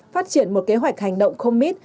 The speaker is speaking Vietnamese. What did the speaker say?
phát triển một kế hoạch hành động comet